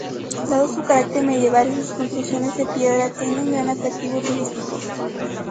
Dado su carácter medieval y sus construcciones de piedra, tiene un gran atractivo turístico.